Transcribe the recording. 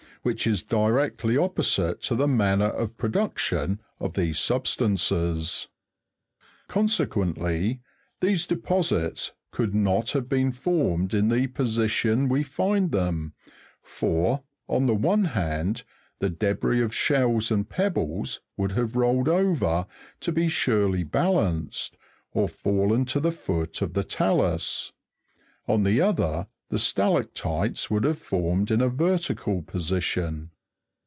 253), which is di lectly opposite to the manner of production of these substances. Consequently, these deposits could Fig. 253. Fig. 254. no t have been formed in the posi tion we find them, for, on the one hand, the debris of shells and pebbles would have rolled over to be surely balanced, or fallen to the foot of the ta'his ; on the other, the stalac'tites would have formed in a vertical position.